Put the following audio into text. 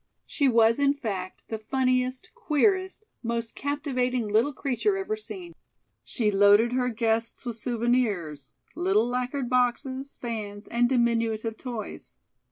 She was, in fact, the funniest, queerest, most captivating little creature ever seen. She loaded her guests with souvenirs, little lacquered boxes, fans and diminutive toys.